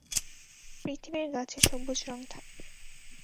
পৃথিবীর গাছে সবুজ রঙ থাকবে।